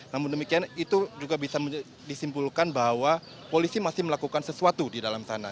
namun demikian itu juga bisa disimpulkan bahwa polisi masih melakukan sesuatu di dalam sana